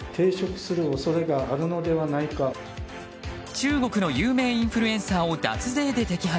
中国の有名インフルエンサーを脱税で摘発。